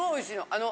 あの。